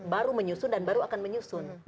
baru menyusun dan baru akan menyusun